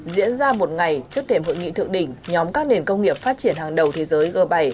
diễn ra một ngày trước thềm hội nghị thượng đỉnh nhóm các nền công nghiệp phát triển hàng đầu thế giới g bảy